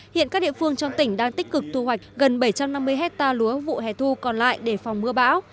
hiện các địa phương trong tỉnh đang tích cực thu hoạch gần bảy trăm năm mươi hectare lúa vụ hẻ thu còn lại để phòng mưa bão